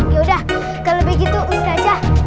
yaudah kalau begitu ustadzah